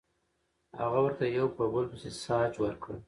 هغه ورته یو په بل پسې ساسج ورکړل